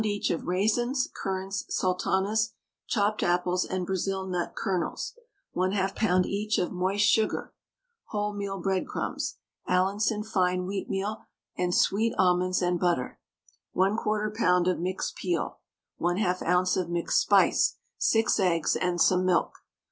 each of raisins, currants, sultanas, chopped apples, and Brazil nut kernels; 1/2 lb. each of moist sugar, wholemeal breadcrumbs, Allinson fine wheatmeal, and sweet almonds and butter; 1/4 lb. of mixed peel, 1/2 oz. of mixed spice, 6 eggs, and some milk.